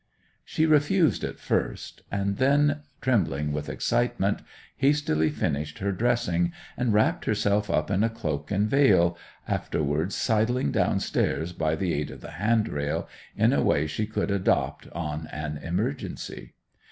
She refused at first, and then, trembling with excitement, hastily finished her dressing, and wrapped herself up in cloak and veil, afterwards sidling downstairs by the aid of the handrail, in a way she could adopt on an emergency.